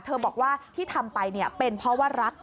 บอกว่าที่ทำไปเป็นเพราะว่ารัก